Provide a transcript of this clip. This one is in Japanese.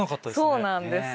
そうなんですよ。